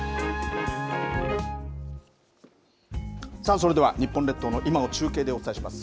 それでは日本列島の今を中継でお伝えします。